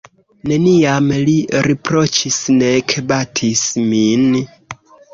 Neniam li riproĉis, nek batis min.